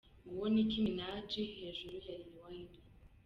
Nguwo Nick minaj hejuru ya Lil Wayne.